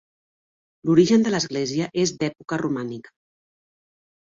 L'origen de l'església és d'època romànica.